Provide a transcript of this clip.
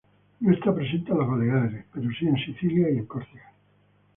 No está presente en las Baleares, pero sí en Sicilia y Córcega.